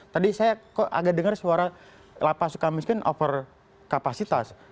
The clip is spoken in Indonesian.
tadi saya kok agak dengar suara lapas suka miskin over kapasitas